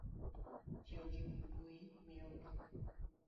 Tiyo gi mbui, miyo ng